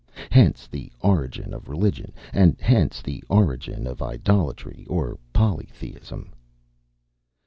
Hence the origin of religion: and hence the origin of idolatry or polytheism."